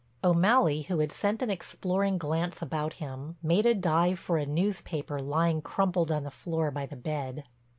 O'Malley who had sent an exploring glance about him, made a dive for a newspaper lying crumpled on the floor by the bed.